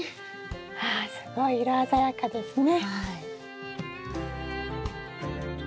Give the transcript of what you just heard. ああすごい色鮮やかですね。